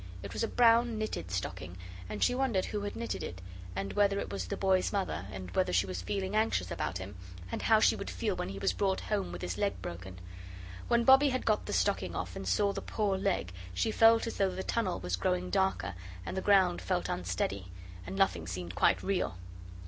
It was a brown, knitted stocking, and she wondered who had knitted it, and whether it was the boy's mother, and whether she was feeling anxious about him, and how she would feel when he was brought home with his leg broken. When Bobbie had got the stocking off and saw the poor leg, she felt as though the tunnel was growing darker, and the ground felt unsteady, and nothing seemed quite real.